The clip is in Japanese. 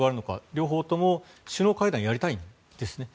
両方とも首脳会談をやりたいんですね。